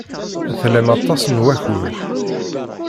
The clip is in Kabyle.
Tlam aṭas n wakud.